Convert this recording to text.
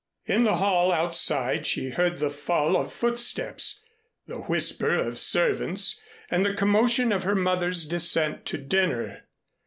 In the hall outside she heard the fall of footsteps, the whisper of servants and the commotion of her mother's descent to dinner.